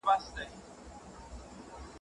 سياست پوهنه د بشري ژوند يوه بنسټيزه پوهه ده.